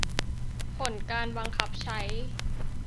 ผลการบังคับใช้